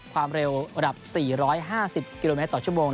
ความเร็วระดับ๔๕๐กิโลเมตรต่อชั่วโมง